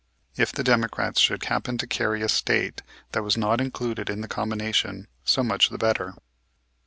If the Democrats should happen to carry a state that was not included in the combination, so much the better.